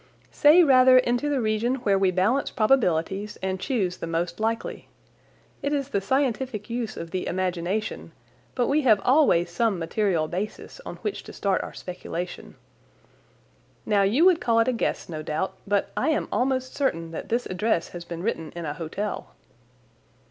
"Say, rather, into the region where we balance probabilities and choose the most likely. It is the scientific use of the imagination, but we have always some material basis on which to start our speculation. Now, you would call it a guess, no doubt, but I am almost certain that this address has been written in a hotel."